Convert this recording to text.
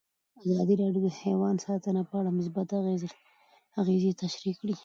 ازادي راډیو د حیوان ساتنه په اړه مثبت اغېزې تشریح کړي.